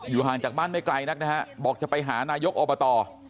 ห่างจากบ้านไม่ไกลนักนะฮะบอกจะไปหานายกอบต